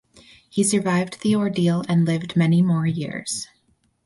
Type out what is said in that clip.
He survived the ordeal and lived many more years.